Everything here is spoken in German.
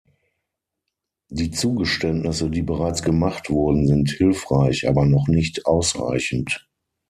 Die Zugeständnisse, die bereits gemacht wurden, sind hilfreich, aber noch nicht ausreichend.